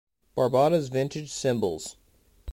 Barbata's vintage cymbals.